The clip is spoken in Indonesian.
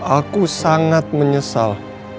aku sangat menyesal